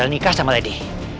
kira kira nikah sama lady